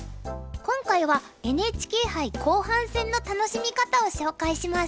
今回はＮＨＫ杯後半戦の楽しみ方を紹介します。